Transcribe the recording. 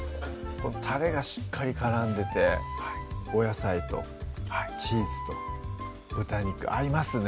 たれがしっかり絡んでてお野菜とチーズと豚肉合いますね